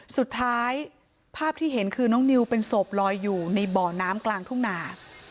สภาพที่เห็นคือน้องนิวเป็นศพลอยอยู่ในบ่อน้ำกลางทุ่งนา